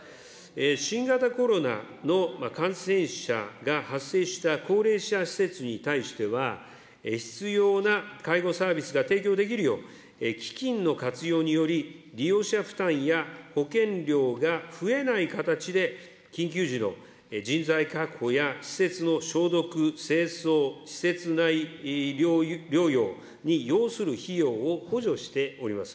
新型コロナの感染者が発生した高齢者施設に対しては、必要な介護サービスが提供できるよう、基金の活用により、利用者負担や、保険料が増えない形で、緊急時の人材確保や施設の消毒、清掃、施設内療養に要する費用を補助しております。